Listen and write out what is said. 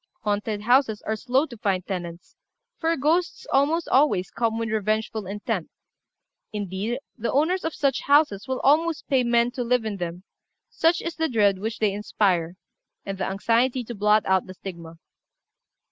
Haunted houses are slow to find tenants, for ghosts almost always come with revengeful intent; indeed, the owners of such houses will almost pay men to live in them, such is the dread which they inspire, and the anxiety to blot out the stigma.